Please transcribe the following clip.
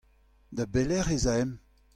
Da belec'h ez aemp ?